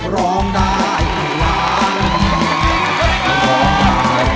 ร้องได้ให้ล้าน